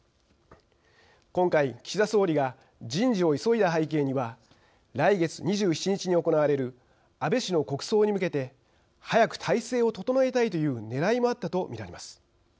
今回、岸田総理が人事を急いだ背景には来月２７日に行われる安倍氏の国葬に向けて早く態勢を整えたいというねらいもあったと見られます。